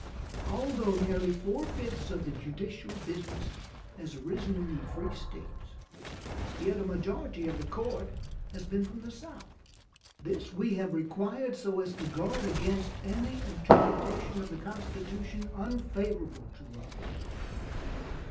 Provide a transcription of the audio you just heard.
Although nearly four fifths of the judicial business has arisen in the free States, yet a majority of the court has been from the South. This we have required so as to guard against any interpretation of the constitution unfavorable to us.